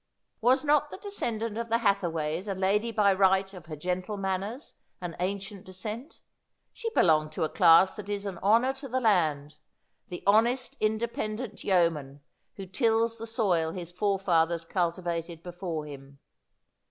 Was not the descendant of the Hathaways a lady by right of her gentle manners and ancient descent ? She belonged to a. class that is an honour to the land — the honest independent yeoman who tills the soil his forefathers cultivated before him.